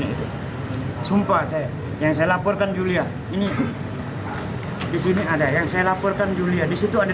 itu sumpah saya yang saya laporkan yulia ini di sini ada yang saya laporkan yulia di situ ada